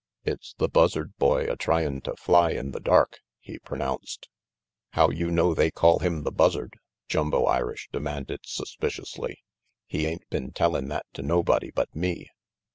"It's the Buzzard boy a tryin' to fly in the dark," he pronounced. "How you know they call him the Buzzard? Jumbo Irish demanded suspiciously. "He ain't tellin' that to nobody but me."